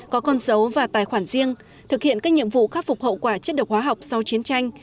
có con dấu và tài khoản riêng thực hiện các nhiệm vụ khắc phục hậu quả chất độc hóa học sau chiến tranh